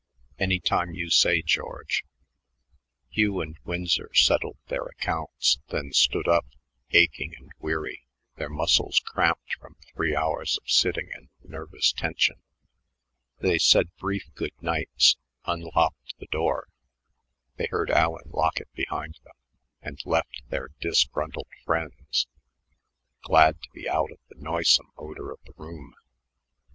"Any time you say, George." Hugh and Winsor settled their accounts, then stood up, aching and weary, their muscles cramped from three hours of sitting and nervous tension. They said brief good nights, unlocked the door they heard Allen lock it behind them and left their disgruntled friends, glad to be out of the noisome odor of the room.